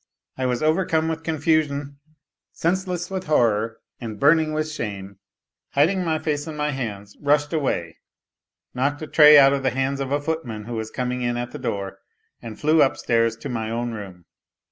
I was overcome with confusion, senseless with horror and, burning with shame, hiding my face in my hands rushed away, knocked a tray out of the hands of a footman who was coming in at the door, and flew upstairs to my own room.